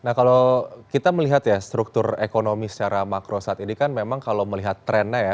nah kalau kita melihat ya struktur ekonomi secara makro saat ini kan memang kalau melihat trennya ya